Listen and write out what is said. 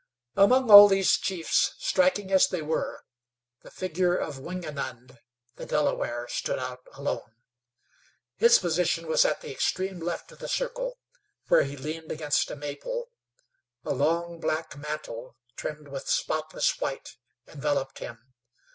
Among all these chiefs, striking as they were, the figure of Wingenund, the Delaware, stood out alone. His position was at the extreme left of the circle, where he leaned against a maple. A long, black mantle, trimmed with spotless white, enveloped him.